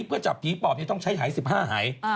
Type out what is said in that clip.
เพื่อจับผีปอบจะต้องใช้ไห๑๕ไห